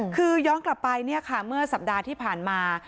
คือย้อนกลับไปเนี่ยค่ะเมื่อสัปดาห์ที่ผ่านมา